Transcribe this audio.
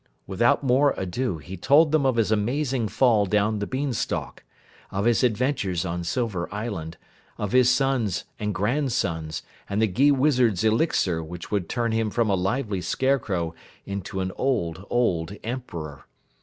Without more ado, he told them of his amazing fall down the beanstalk; of his adventures on Silver Island; of his sons and grandsons and the Gheewizard's elixir which would turn him from a lively Scarecrow into an old, old Emperor.